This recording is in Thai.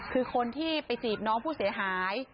คือคนที่ไปจีบน้องผู้เสียหาย